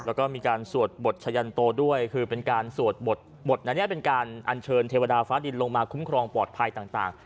แล้วก็มีการสวดบทชะยันโตด้วยคือเป็นการสวดบทนั้นเป็นการอัญเชิญเทวดาฟ้าดินลงมาคุ้มครองปลอดภัยต่าง